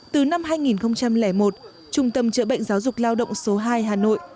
từ năm hai nghìn một trung tâm chữa bệnh giáo dục lao động số hai hà nội